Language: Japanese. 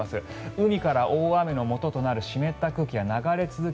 海から大雨のもととなる湿った空気が流れ続け